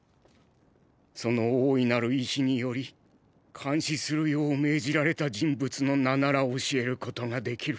その大いなる意思により監視するよう命じられた人物の名なら教えることができる。